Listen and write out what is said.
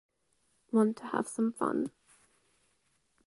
Want to have some fun.